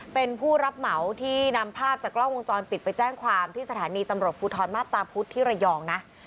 เป็นผู้รับเหมาที่นำภาพจากกล้องวงจรปิดไปแจ้งความที่สถานีตำรวจภูทรมาตาพุธที่ระยองนะ